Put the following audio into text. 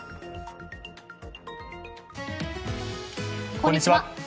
こんにちは。